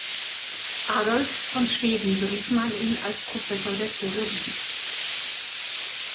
Adolf von Schweden berief man ihn als Professor der Theologie.